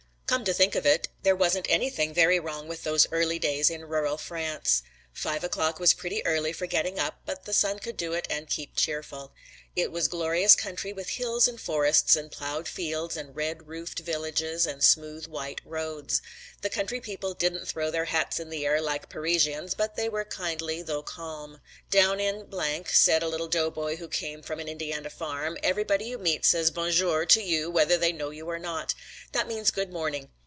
Come to think of it there wasn't anything very wrong with those early days in rural France. Five o'clock was pretty early for getting up but the sun could do it and keep cheerful. It was glorious country with hills and forests and plowed fields and red roofed villages and smooth white roads. The country people didn't throw their hats in the air like Parisians, but they were kindly though calm. "Down in ," said a little doughboy who came from an Indiana farm, "everybody you meet says 'bon jour' to you whether they know you or not. That means 'good morning.'